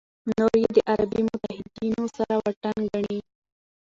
نور یې د عربي متحدینو سره واټن ګڼي.